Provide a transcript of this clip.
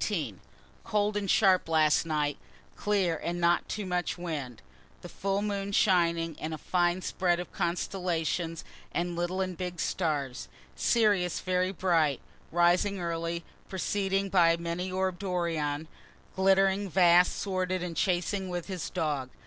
_ Cold and sharp last night clear and not much wind the full moon shining, and a fine spread of constellations and little and big stars Sirius very bright, rising early, preceded by many orb'd Orion, glittering, vast, sworded, and chasing with his dog.